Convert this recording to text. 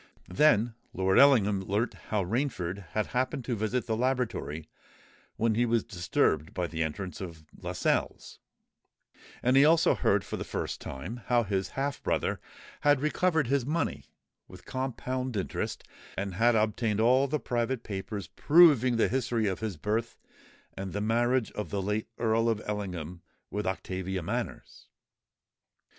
Then Lord Ellingham learnt how Rainford had happened to visit the laboratory when he was disturbed by the entrance of Lascelles; and he also heard for the first time how his half brother had recovered his money, with compound interest, and had obtained all the private papers proving the history of his birth and the marriage of the late Earl of Ellingham with Octavia Manners.